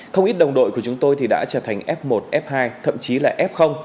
không ít đồng đội của chúng tôi đã trở thành f một f hai thậm chí là f